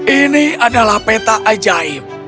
ini adalah peta ajaib